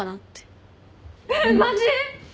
えっマジ！？